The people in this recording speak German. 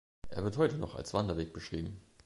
Er wird heute noch als Wanderweg beschrieben.